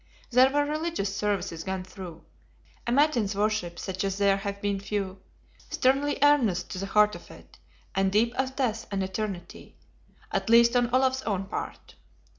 There were religious services gone through: a matins worship such as there have been few; sternly earnest to the heart of it, and deep as death and eternity, at least on Olaf's own part.